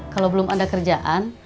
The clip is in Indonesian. kalau belum ada kerjaan